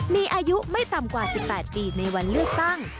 มีอายุไม่ต่ำกว่า๑๘ปีในวันเลือกตั้ง